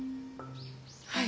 はい。